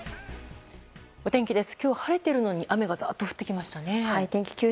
お天気です。